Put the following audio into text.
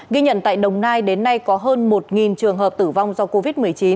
ghi nhận tại đồng nai đến nay có hơn một trường hợp tử vong do covid một mươi chín